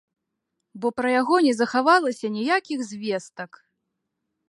Бо пра яго не захавалася ніякіх звестак.